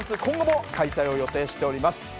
今後も開催を予定しております。